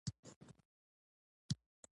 د ترکیې سریالونه د احساسونو نړۍ ده.